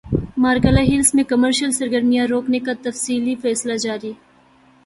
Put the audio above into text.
Margalla hills میں commercial سرگرمیاں روکنے کا تفصیلی فیصلہ جاری